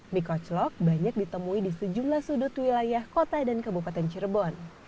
mie koclok banyak ditemui di sejumlah sudut wilayah kota dan kabupaten cirebon